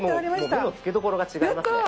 もう目の付けどころが違いますね。